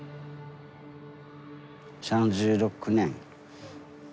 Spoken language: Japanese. ３６年。